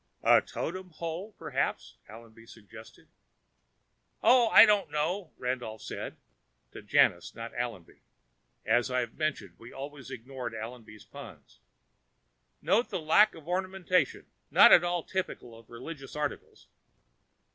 "A totem hole, perhaps," Allenby suggested. "Oh. I don't know," Randolph said to Janus, not Allenby. As I've mentioned, we always ignored Allenby's puns. "Note the lack of ornamentation. Not at all typical of religious articles."